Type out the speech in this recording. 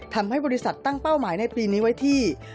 ทำให้บริษัทตั้งเป้าหมายในปีนี้ไว้ที่